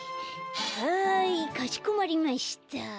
はいかしこまりました。